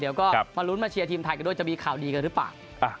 เดี๋ยวก็มาลุ้นมาเชียร์ทีมไทยกันด้วยจะมีข่าวดีกันหรือเปล่า